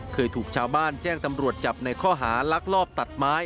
เคยถูกชาวบ้านแจ้งตำรวจจับในข้อหาลักลอบตัดไม้